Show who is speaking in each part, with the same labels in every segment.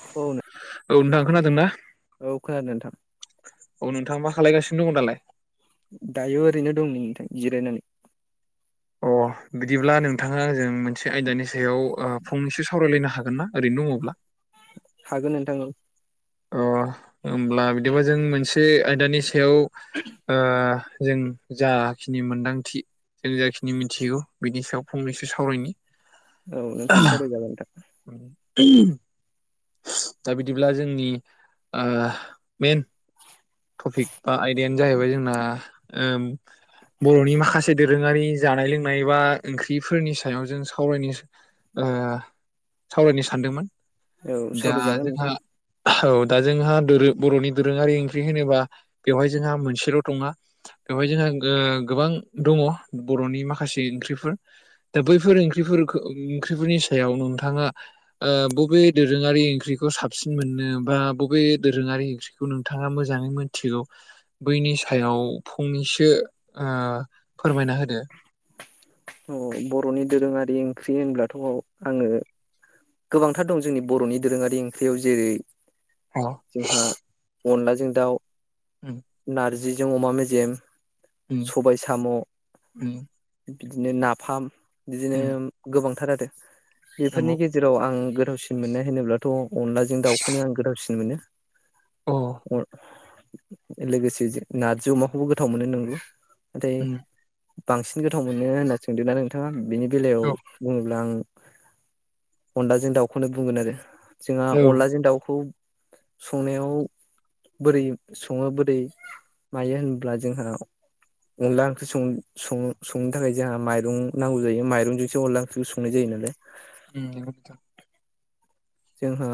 Speaker 1: जि
Speaker 2: औ
Speaker 1: हा औ नोंथां खोनादों ना?
Speaker 2: औ खोनादों नोंथां।
Speaker 1: औ नोंथां मा खालायगासिनो दङ दालाय?
Speaker 2: दायो ओरैनो दं नै जिरायनानै
Speaker 1: अ बिदिब्ला नोंथाङा आंजों मोनसे आयदानि सायाव ओ फंनैसो सावरायलायनो हागोन ना ओरैनो दङब्ला।
Speaker 2: हागोन नोंथां औ
Speaker 1: अ होमब्ला बिदिबा जों मोनसे आयदानि सायाव ओ जों जाखिनि मोनदांथि जाखिनि मिथिगौ बिनि सायाव फंनैसो सावरायनि
Speaker 2: औ नोंथाङा सावराय जागोन नोंथां।
Speaker 1: दा बिदिब्ला जोंनि ओ बे टपिक बा आयदायानो जाहैबाय जोंना ओम बर'नि माखासे दोरोङारि जानाय लों नाय एबा ओंख्रिफोरनि सायाव जों सावरायनो ओ सावरायनो सानदोंमोन
Speaker 2: औ
Speaker 1: दा
Speaker 2: सावराय जागोन
Speaker 1: जोंहा
Speaker 2: नोंथां
Speaker 1: औ दा जोंहा बर'नि दोरोङारि ओंख्रि होनोबा बेवहाय जोंहा मोनसेल' नङा बेवहाय जोंहा गोबां दङ बर'नि माखासे ओंख्रिफोर दा बैफोर ओंख्रि ओंख्रिफोरनि सायाव नोंथाङा बबे दोरोङारि ओंख्रिखौ साबसिन मोननो बा बबे दोरोङारि ओंख्रिखौ नोंथाङा नोंथाङा मोजाङै मिथिगौ बैनि सायाव फंनैसो ओ फोरमायना होदो
Speaker 2: औ बर'नि दोरोङारि ओंख्रि होनब्लाथ' आङो गोबांथार दं जोंनि बर'नि दोरोङारि ओंख्रियाव जेरै जोंहा
Speaker 1: [unintelligible]
Speaker 2: अनलाजों दाउ
Speaker 1: उम
Speaker 2: नार जिजों अमा मेजेम
Speaker 1: उम
Speaker 2: सबाय साम'
Speaker 1: उम
Speaker 2: बिदिनो नाफाम बिदिनो
Speaker 1: उम
Speaker 2: गोबांथार [inaudible]
Speaker 1: नंगौ
Speaker 2: बेफोरनि गेजेराव आं गोथावसिन मोननाय होनोब्लाथ' अनलाजों दाउखौनो आं गोथावसिन मोनो
Speaker 1: अ
Speaker 2: [inaudible] लोगोसे नार्जि अमाखौबो गोथाव मोनो नोंगौ
Speaker 1: उम
Speaker 2: [inaudible] बांसिन गोथाव मोनो होनना सोंदों ना नोंथाङा बिनि बेलायाव
Speaker 1: औ
Speaker 2: बुङोब्ला आं अनलाजों दाउखौनो बुंगोन आरो जोंहा
Speaker 1: औ
Speaker 2: अनलाजों दाउखौ संनायाव बोरै सङो बोरै मायो होनब्ला जोंहा अनला ओंख्रि सङो संनो थाखाय जोंहा माइरं नांगौ जायो माइरंजोंसो अनला ओंख्रि संनाय जायो नालाय
Speaker 1: [unintelligible] उम नंगौ नोंथां
Speaker 2: जोंहा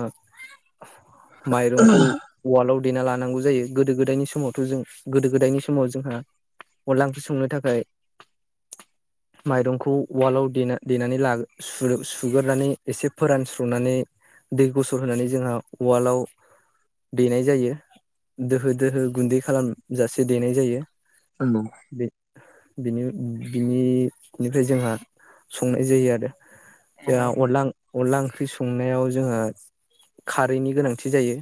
Speaker 2: माइरंखौ उवाल आव देना लानांगौ जायो गोदो गोदायनि समावथ' जों गोदो गोदायनि समाव जोंहा अनला ओंख्रि संनो थाखाय माइरंखौ उवालावना देनानै ला सुगोरनानै एसे फोरानस्र'नानै दै गसर होनानै जोंहा उवालाव देनाय जायो दोहो दोहो गुन्दै खालामजासे देनाय जायो बे
Speaker 1: [inaudible]
Speaker 2: बिनि बिनिनिफ्राय जोंहा संनाय जायो आरो [unintelligible]
Speaker 1: अ
Speaker 2: जोंहा अनला अनला ओंख्रि संनायाव जोङो खारैनि गोनांथि जायो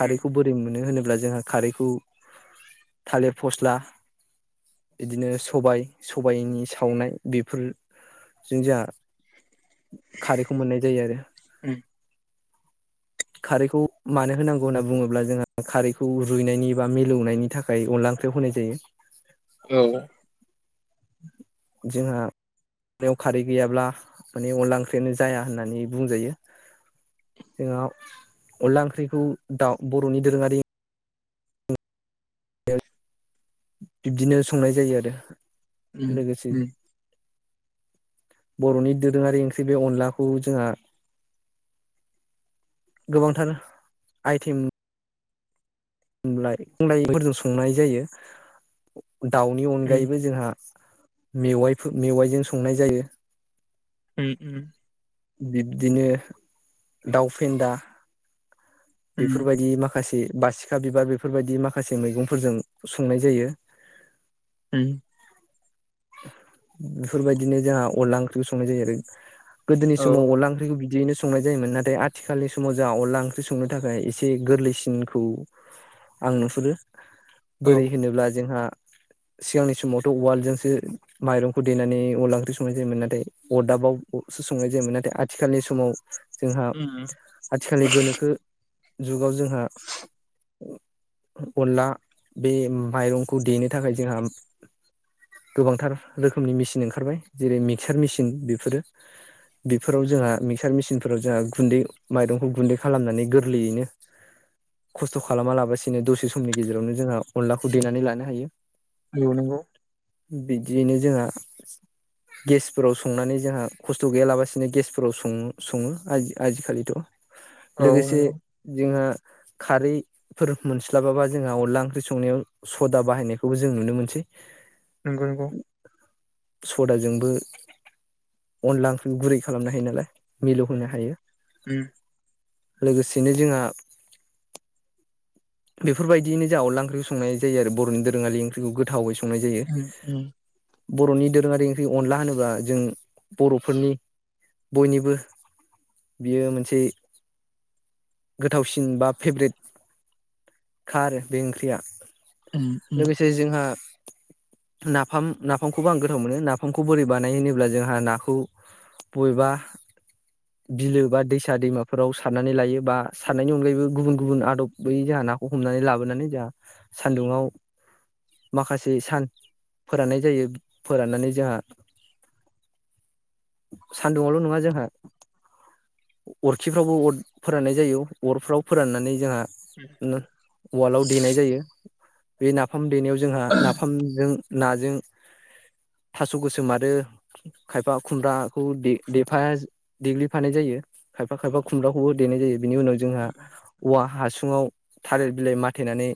Speaker 1: उम
Speaker 2: बोरै मोनो होनो ब्ला जोंहा खारैखौ थालिर फस्ला बिदिनो सबायाइ सबायाइनि सावनाय बेफोरजों जोंहा खारैखौ मोननाय जायो आरो
Speaker 1: उम
Speaker 2: खारैखौ मानो होनांगौ होनना बुङोब्ला जोंहा खारैखौ रुइनायनि बा मिलौनायनि थाखाय अनला ओंख्रियाव होनाय जायो
Speaker 1: औ
Speaker 2: जोंहा खारै गैयाब्ला माने अनला ओंख्रियानो जाया होननानै बुंजायो जोंहा अनला ओंख्रिखौ दा बरनि दोरोङारि बिब्दिनो संनाय जायो आरो
Speaker 1: ओम
Speaker 2: लोगोसे
Speaker 1: ओम
Speaker 2: बरनि दोरोङारि ओंख्रि बे अनलाखौ जोंहा गोबांथार आइटेम [unintelligible] दाउनि
Speaker 1: उम
Speaker 2: अनगायैबो जोंहा मेवाइ मेवाइजों संनाय जायो
Speaker 1: ओम ओम
Speaker 2: बिब्दिनो दाउ फेन्दा
Speaker 1: उम
Speaker 2: बेफोरबायदि माखासे बासिखा बिबार बेफोरबायदि माखासे मैगंफोरजों संनाय जायो
Speaker 1: ओम
Speaker 2: बेफोरबायदिनो जोंहा अनला ओंख्रिखौ संनाय जायो आरो गोदनि
Speaker 1: औ
Speaker 2: समाव अला ओंख्रिखौ बि बिदियैनो संनाय जायोमोन नाथाय आथिखालनि समाव जोंहा अनला ओंख्रि संनो थाखाय एसे गोरलैसिनखौ आं नुहुरो
Speaker 1: औ
Speaker 2: बोरै होनोब्ला जोंहा सिगांनि समावथ उवालजोंसो माइरंखौ देनानै अनला ओंख्रि संनाय जायोमोन नाथाय अरदाबावो संनाय जायोमोन नाथाय आथिखालनि समाव जोंहा
Speaker 1: उम
Speaker 2: आथिखालनि गोनोखो जुगाव जोंहा अनला बे माइरंखौ देनो थाखाय जोंहा गोबांथार रोखोमनि मेसिन ओंखारबाय जेरै मिक्सार मेसिन बेफोरो बेफोराव जोंहा मिक्सार मेसिन फोराव जोंहा गुन्दै माइरंखौ गुन्दै खालामनानै गोरलैयैनो खस्थ खालामा लाबसिनो दसे समनि गेजेरावनो जोंहा अनलाखौ देनानै लानो हायो
Speaker 1: औ नंगौ
Speaker 2: बिदियैनो जोंहा गेसफोराव संनानै जोंहा खस्थ गैयालाबसिनो गेसफोराव सो सङो आजिखालिथ
Speaker 1: औ
Speaker 2: लोगोसे जोंहा खारैफोर मोनस्लाबाबा जोंहा अनला ओंख्रि संनायाव सदा बाहायनायखौबो जों नुनो मोनसै
Speaker 1: नंगौ नंगौ
Speaker 2: सदाजोंबो अनला ओंख्रि गुरै खालामनो हायो नालाय मिलौहोनो हायो
Speaker 1: उम
Speaker 2: लोगोसेनो जोंहा बेफोरबायदिनो जाहा अनला ओंख्रिखौ संनाय जायो आरो बर'नि दोरोङारि ओंख्रखौ गोथावै सं संनाय जायो।
Speaker 1: उम
Speaker 2: बर'नि दोरोङारि ओंख्रि अनला होनोबा जों बर'फोरनि बयनिबो, बियो मोनसे, गोथावसिन बा फेब्रेट खारो बे ओंख्रिया
Speaker 1: उम
Speaker 2: ।
Speaker 1: उम
Speaker 2: लोगोसे जोंहा नाफाम नाफामखौबो आं गोथाव मोनो नाफामखौ बोरै बानाय होनोब्ला जोंहा नाखौ बबेबा बिलो बा दैसा दैमाफोराव सारनानै लायो बा सारनायनि अनगायैबो गुबुन गुबुन आदब बै जोंहा नाखौ हमनानै लाबोनानै जोंहा सानदुंआव माखासे सान फोराननाय जायो फोराननानै जोंहा सान्दुङावल' नङा जोंहा अरखिफ्रावबो अर फोराननाय जायो अरफ्राव फोराननानै जोंहा वाल्दआव देनाय जायो बे नाफाम देनायाव जोंहा नाफामजों नाजों, थास' गोसोम मारो खायफा खुमब्रा खौ दे-देफा देग्लि फानाय जायो। खायफा खायफा खुम्राखौबो देनाय जायो बिनि उनाव जोंहा औवा हासु आव थालिर बिलाइ मथायनानै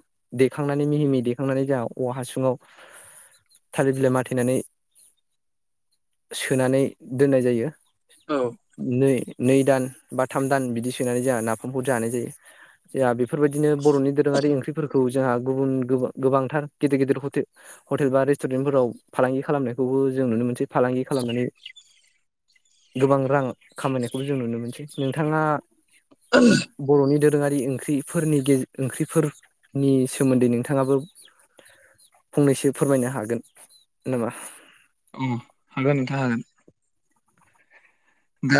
Speaker 2: देखांनानै मिहि मिहि देखांनानै जोंहा औवा हासुङाव थालिर बिलाइ मथायनानै, सोनानै दोननाय जायो ।
Speaker 1: औ
Speaker 2: नै नै दान बा थाम दान बिदि सोनानै जोंहा नाफामफोर जानाय जायो। जोंहा बेफोरबायदिनो बर'नि दोरोङारि ओंख्रिफोरखौ जोंहा गुबुन गोबा-गोबांथार गेदेर गेदेर हटे-हटेल बा रेस्टुरेन्टफोराव फालांगि खालामनायखौबो जों नुनो मोनसै फालांगि खालामनानै [inaudible] गोबां रां खामायनायखौबो जों नुनो मोनसै नोंथाङा बर'नि देर रोङारि ओंख्रिफोरनि गेज ओंख्रिफोरनि सोमोन्दै नोंथाङाबो फंनैसो फोरमायनो हागोन, नामा?
Speaker 1: उम हागोन नोंथां हागोन। दा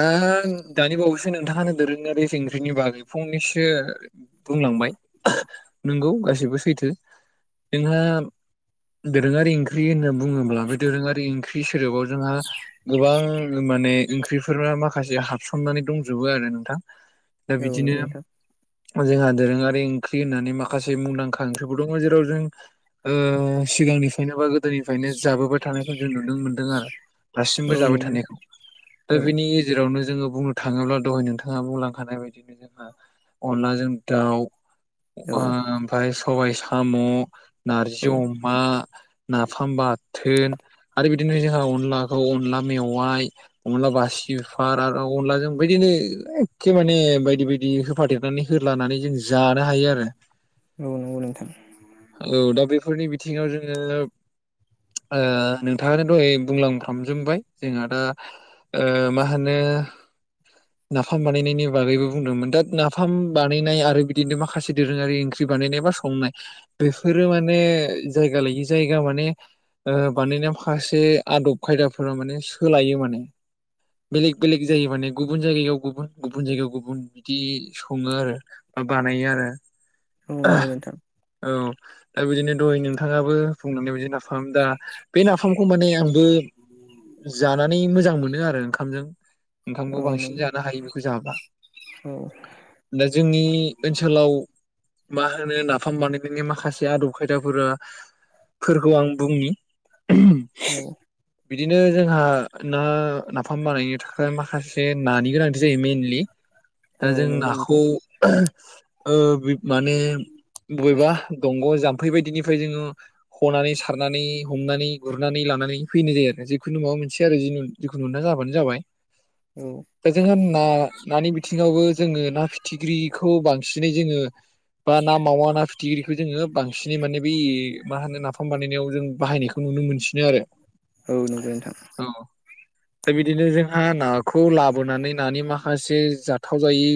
Speaker 1: दानि बावैसो नोंथाङानो दोरोङारि ओंख्रिनि बागै फंनैसो बुङोब्ला बे दोरोङारि ओं ओंख्रि सोदोबाव जोंहा गोबां माने ओंख्रि बेफोरा माखासे हाबसननानै दंजोबो आरो नोंथां। दा
Speaker 2: औ नोंगौ
Speaker 1: बिदिनो
Speaker 2: नोंथां
Speaker 1: जोंहा दोरोङारि ओंख्रि होननानै माखासे मुंदांखा ओंख्रिबो दङ जेराव जों ओ सिगांनिफ्रायनोबा गोदोनिफ्रायनो जाबोबाय थानायखौ जों नुनो मोनदों आरो दासिमबो
Speaker 2: औ
Speaker 1: जाबाय
Speaker 2: नंगौ नोंथां
Speaker 1: थानायखौ। दा
Speaker 2: औ
Speaker 1: बिनि गेजेराव नो जोङो बुंनो थाङोब्ला दहाय नोंथाङा बुंलांखानाय बायदिनो जोंहा अनलाजों दाउ ओ
Speaker 2: औ
Speaker 1: ओमफाय सबाय साम' नारजि
Speaker 2: औ
Speaker 1: अमा नाफाम बाथोन आरो बिदिनो जोंहा अनलाखौ अनला मेवाइ अनला बासि बिफार आरो अनलाजों बिदिनो एखे माने बायदि बायदि होफादेरनानै होलानानै जों जानो हायो आरो।
Speaker 2: औ नंगौ नोंथां
Speaker 1: औ दा बेफोरनि बिथिङाव जोङो ओ नोंथाङानो दहाय बुंलांफ्रामजोबबाय जोंहा दा ओ मा होनो नाफाम बानायनायनि बागैबो बुंदोंमोन दा नाफाम बानायनाय आरो बिदिनो माखासे दोरोङारि ओंख्रि बानायनाय बा संनाय बेफोरो माने जायगा लायि जायगा माने ओ बानायनाया माखासे आदब खायदाफोरा माने सोलायो माने बेलेग बेलेग जायो माने गुबुन जायगायाव गुबुन गुबुन जायगायाव गुबुन बिदि सङो आरो बा बानायो आरो।
Speaker 2: औ नंगौ नोंथां
Speaker 1: औ दा बिदिनो दह नोंथाङाबो बुंनानै बिदिनो ना नाफाम दा बे नाफामखौ माने आंबो जानानै मोजां मो ओ ओंखामजों ओंखामखौ
Speaker 2: औ
Speaker 1: बांसिन
Speaker 2: नंगौ
Speaker 1: जानो हायो बेखौ जाबा
Speaker 2: औ
Speaker 1: दा जोंनि ओनसोलाव मा होनो नाफाम बानायनायनि माखासे आदब खायदाफोरा फोरखौ आं बुंनि
Speaker 2: औ
Speaker 1: बिदिनो जोंहा ना फाम बानायनो थाखाय माखासे नानि गोनांथि जायो मइेनलि दा
Speaker 2: औ
Speaker 1: जों
Speaker 2: नंगौ
Speaker 1: नाखौ
Speaker 2: नोंथां
Speaker 1: ओ माने बबेबा दंग' जाम बेबायदिनि फ्राय जोङो हनानै सारनानै हमनानै गुरनानै लानानै फैनाय जायो आरो जिखुनु माबा मोनसे आरोुजखुनु मोना जाबाय। होबानो जाबाय
Speaker 2: औ
Speaker 1: दा जोंहा ना नानि बिथिङावबो जोङो ना फिथिख्रिखौ बांसिनै जोङो बा ना मावा ना फिथिख्रिखौ जोङो बांसिनै माने बै मा होनो नाफाम बानायनायाव जों बाहायनायखौ नुनो मोनसिनो आरो
Speaker 2: औ नंगौ नोंथां औ नंगौ नोंथां
Speaker 1: औ। दा बिदिनो जोंहा नाखौ लाबोनानै नानि माखासे जाथाव जायै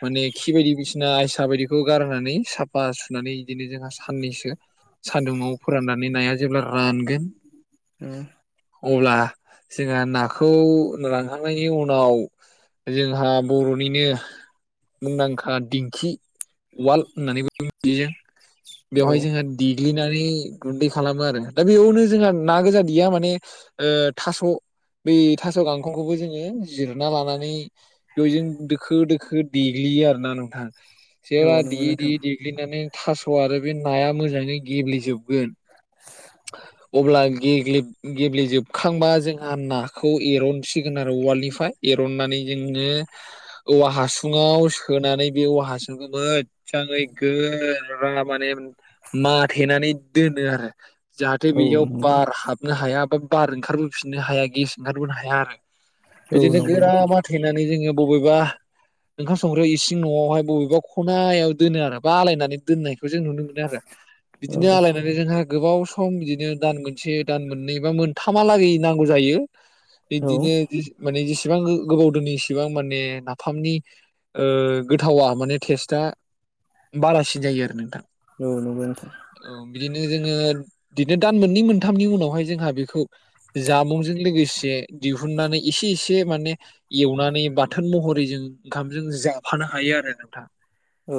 Speaker 1: माने खिबायदि बिसिना साबायदिखौ गारनानै साफा सुनानै बिदिनो जोंहा साननैसो सानदुुंव फोराननानै नाया जेब्ला रानगोन
Speaker 2: औ
Speaker 1: अब्ला जों नाखौ रानखांनायनि उनाव जोंहा बर'निनो मुंदांखा दिंखि उवाल होननानैबो मिथियो। बेवहाय
Speaker 2: नंगौ
Speaker 1: जोंहा दि ग्लिनानै गुन्दै खालामो आरो दा बेयावनो जोंहा ना गोजा गया माने ओ थास' बे थास' गांखं खौबो जोङो जिरना लानानै दैजों दोखो दोखो देग्लियो आरो ना नोंथां।
Speaker 2: औ
Speaker 1: जेब्ला
Speaker 2: नंगौ
Speaker 1: देयै
Speaker 2: नोंथां
Speaker 1: देयै देग्लिनानै थास' आरो बे नाया मोजाङै गेब्लेजोबगोन अब्ला गेब्ले गेब्लेेजोबखांबा जों नाखौ एरनसिगोन आरो उवालनिफ्राय एरननानै जोङो औवा हासुङाव सोनानै बे औवा हासुंखौबो मोजाङै गोरा माने माथेनानै दोनो आरो जाहाथे
Speaker 2: औ
Speaker 1: बियाव बार हाबनो हाया बा बार ओंखारबोफिनो नो हाया गेस ओंखारबोनो हाया आरो
Speaker 2: औ
Speaker 1: बिदिनो
Speaker 2: नंगौ
Speaker 1: गोरा
Speaker 2: नोंथां
Speaker 1: माथेनानै जोङो बबेबा ओंखाम संग्रा इसिं न'आवहाय बबेबा खनायाव दोनो आरो बा आलायनानै दोननाय जों नुनो मोनो आरो बिदिनो आलायनानै जोंहा गोबाव सम सम बिदिनो दान मोनसे दान मोननै बा मोनथामा लागै नांगौ जायो। बिब्दिनो माने इसेबां गोबावदो इसिबां माने नाफामनि गोथावा माने टेस्टआ बारासिन जायो आरो नोंथां
Speaker 2: औ नंगौ नोंथां
Speaker 1: औ बिदिन जोङो बिदिनो दान मोननै मोनथामनि उनावहाय जोंहा बेखौ जामुंजों लोगोसे दिहुननानै एसे एसे माने एवनानै बाथोन महरै जों ओंखामजों जाफानो हायो आरो नोंथां।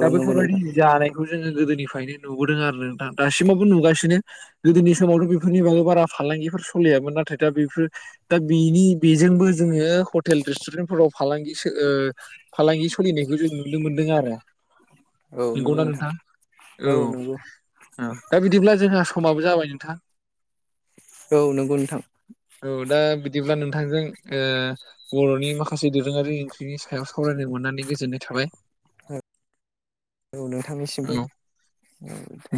Speaker 1: दा
Speaker 2: नंगौ
Speaker 1: बेफोरबायदि
Speaker 2: नोंथां
Speaker 1: जानायखौ जोङो गोदोनिफ्रायनो नुबोदों आरो दासिमावबो नुगासिनो गोदोनि समावथ' बिफोरनिबागै बारा फालांगि सलियामोन आरो आमफ्राय दा बेफोर दा बेनि बेजोंबो जोङो हटेल रेस्टुरेन्टफोराव फालांगि फालांगि सलिनायखौ जों नुनो मोनदों आरो
Speaker 2: औ
Speaker 1: नंगौना नोंथां औ
Speaker 2: नंगौ
Speaker 1: दा बिदिब्ला जोंहा स समाबो जाबाय नोंथां।
Speaker 2: औ नंगौ नोंथां।
Speaker 1: औ दा बिदिब्ला नोंथांजों बर'नि माखासे दोरोङारि ओंख्रिनि सायाव सावरायनो मोननानै गोजोननाय थाबाय।
Speaker 2: औ नोंथांनिसिमबो
Speaker 1: औ
Speaker 2: औ दे।